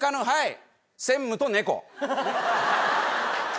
はい！